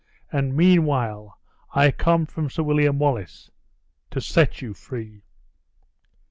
and, meanwhile, I come from Sir William Wallace to set you free!"